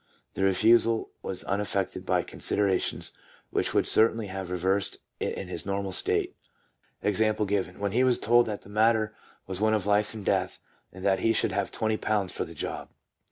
... The refusal was unaffected by considerations which would certainly have reversed it in his normal state — e.g., when he was told that the matter was one of life and death, and that he should have twenty pounds for the job."